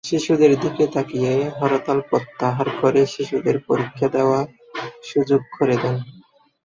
শিশুদের দিকে তাকিয়ে হরতাল প্রত্যাহার করে শিশুদের পরীক্ষা দেওয়ার সুযোগ করে দেন।